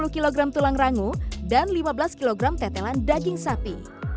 dua puluh kg tulang rangu dan lima belas kg tetelan daging sapi